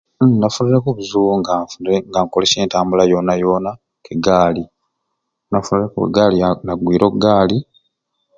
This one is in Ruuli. Nafunireku obuzibu nga nfunire nga nkukolesya entambula yona yona egaali nafunire ku egaali nagwire oku gaali